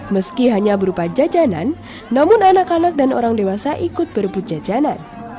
meski hanya berupa jajanan namun anak anak dan orang dewasa ikut berebut jajanan